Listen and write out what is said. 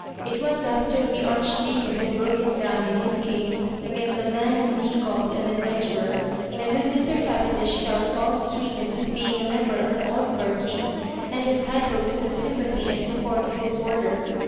It was after the Archdeacon had broken down in his case against the man whom he called an ad venturer, and when Mr. Cavendish felt all the sweetness of being a member of an oligarchy, and entitled to the sympathy and support of his order.